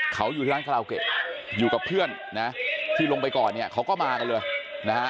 เขาอยู่ที่ร้านคาราวเกะอยู่กับเพื่อนนะที่ลงไปก่อนเนี่ยเขาก็มากันเลยนะฮะ